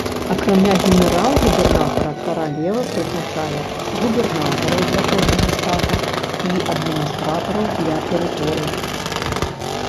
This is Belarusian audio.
Акрамя генерал-губернатара, каралева прызначае губернатараў для кожнага штата і адміністратараў для тэрыторый.